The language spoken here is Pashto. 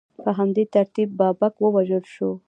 په همدې ترتیب بابک ووژل شو.